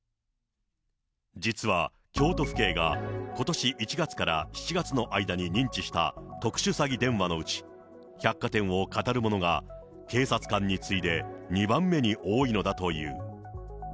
実は京都府警がことし１月から７月の間に認知した特殊詐欺電話のうち、百貨店をかたるものが警察官に次いで２番目に多いのだという。